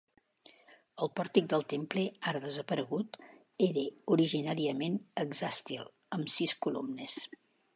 El pòrtic del temple, ara desaparegut, era originàriament hexàstil, amb sis columnes.